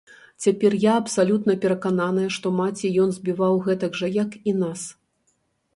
Цяпер я абсалютна перакананая, што маці ён збіваў гэтак жа, як і нас.